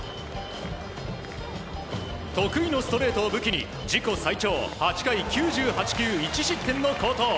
得意のストレートを武器に自己最長８回９８球１失点の好投。